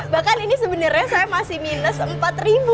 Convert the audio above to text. bahkan ini sebenarnya saya masih minus rp empat ke tukang ini nih